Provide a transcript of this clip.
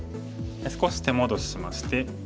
少し手戻ししまして。